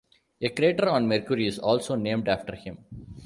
A crater on Mercury is also named after him.